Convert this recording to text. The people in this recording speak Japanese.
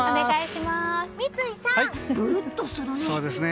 三井さん、ぶるっとするね。